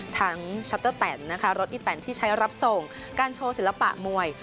ชัตเตอร์แตนนะคะรถอีแตนที่ใช้รับส่งการโชว์ศิลปะมวย